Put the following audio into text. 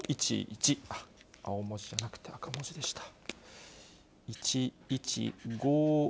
青文字じゃなくて赤文字でした。